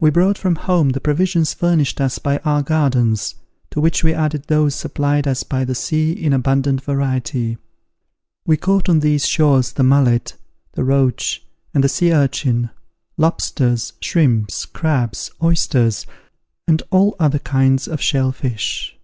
We brought from home the provisions furnished us by our gardens, to which we added those supplied us by the sea in abundant variety. We caught on these shores the mullet, the roach, and the sea urchin, lobsters, shrimps, crabs, oysters, and all other kinds of shell fish.